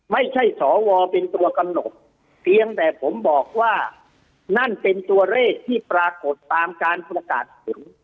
ไม่ใช่สวเป็นตัวกำหนดเพียงแต่ผมบอกว่านั่นเป็นตัวเลขที่ปรากฏตามการประกาศผล